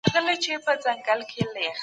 ایا ماشوم کولای سي خپل وخت تنظیم کړي؟